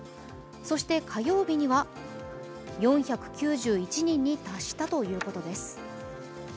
そして火曜日には４９１人に達したということです。